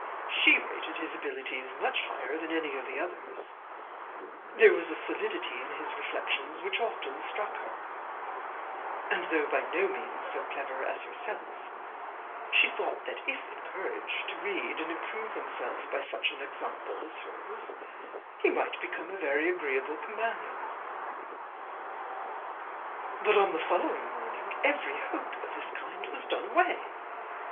She rated his abilities much higher than any of the others: there was a solidity in his reflections which often struck her; and though by no means so clever as herself, she thought that, if encouraged to read and improve himself by such an example as hers, he might become a very agreeable companion. But on the following morning every hope of this kind was done away.